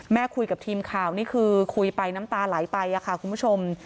คุยกับทีมข่าวนี่คือคุยไปน้ำตาไหลไปค่ะคุณผู้ชม